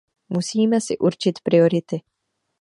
Musíme si určit priority.